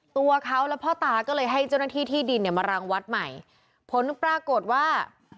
ตัวเขาและพ่อตาก็เลยให้เจ้าหน้าที่ที่ดินเนี่ยมารังวัดใหม่ผลปรากฏว่า